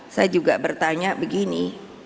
saya juga bertanya begini